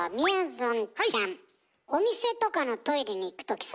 お店とかのトイレに行くときさ。